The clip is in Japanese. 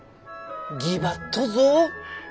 ぎばっとぞぉ。